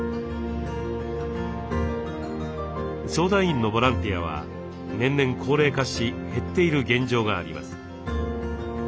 相談員のボランティアは年々高齢化し減っている現状があります。